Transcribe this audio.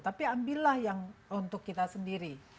tapi ambillah yang untuk kita sendiri